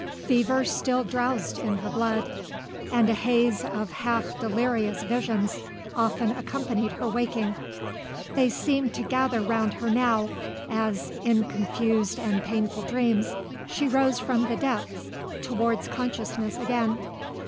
Fever still drowsed in her blood and a haze of half delirious visions often accompanied her waking. They seemed to gather round her now, as, in confused and painful dreams, she rose from the depths towards consciousness again.